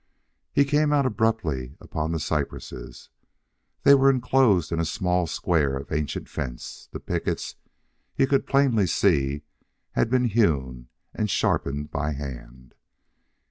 He came out abruptly upon the cypresses. They were enclosed in a small square of ancient fence; the pickets he could plainly see had been hewn and sharpened by hand.